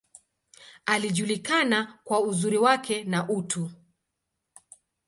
Alijulikana kwa uzuri wake, na utu.